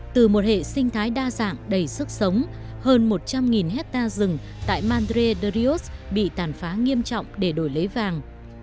từ một hệ sinh thái đa dạng đầy sức sống hơn một trăm linh hectare rừng tại madre de rios bị tàn phá nghiêm trọng để đổi lấy vàng